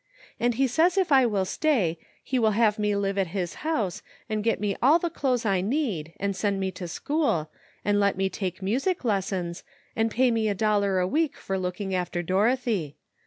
And he says if I will stay, he will have mc live at his house, and get me all the clothes I need, and send me to school, and let me take music lessons, and pay me a dollar a week for looking after Dorothy.